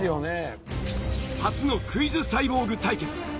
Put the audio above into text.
初のクイズサイボーグ対決。